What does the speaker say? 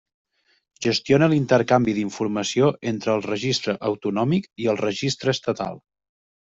Gestiona l'intercanvi d'informació entre el Registre autonòmic i el Registre estatal.